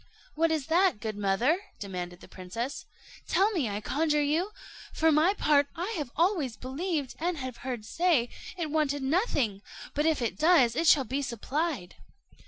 "What is that, good mother?" demanded the princess; "tell me, I conjure you. For my part, I always believed, and have heard say, it wanted nothing; but if it does, it shall be supplied."